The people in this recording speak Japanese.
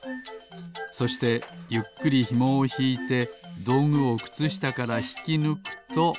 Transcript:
そしてゆっくりひもをひいてどうぐをくつしたからひきぬくと。